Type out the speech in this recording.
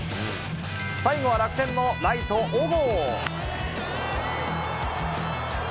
最後は楽天のライト、小郷。